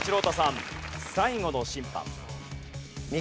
『最後の審判』。